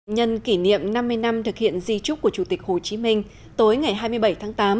nhân kỷ niệm năm mươi năm thực hiện di trúc của chủ tịch hồ chí minh tối ngày hai mươi bảy tháng tám